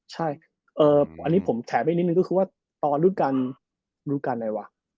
ใช่อันนี้ผมแถมให้นิดนึงก็คือว่าตอนรุ่นการรุ่นการอะไรวะ